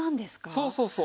そうそうそう。